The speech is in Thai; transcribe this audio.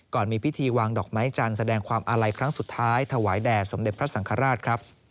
มีพิธีวางดอกไม้จันทร์แสดงความอาลัยครั้งสุดท้ายถวายแด่สมเด็จพระสังฆราชครับ